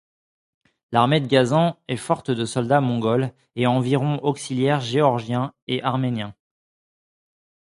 L'armée de Ghazan est forte de soldats mongols et environ auxiliaires géorgiens et arméniens.